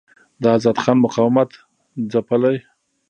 د آزاد خان مقاومت ځپلی.